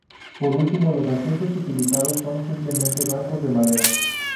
Por último, los asientos utilizados son simples bancos de madera.